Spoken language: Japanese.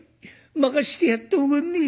任してやっておくんねえ。